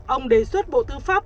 ông đề xuất bộ tư pháp